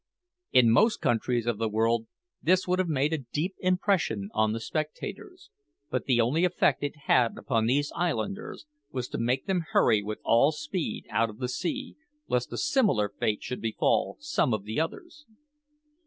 In most countries of the world this would have made a deep impression on the spectators; but the only effect it had upon these islanders was to make them hurry with all speed out of the sea, lest a similar fate should befall some of the others.